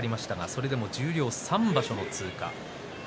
それでも十両３場所で通過です。